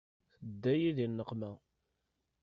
Tedda-yi di nneqma.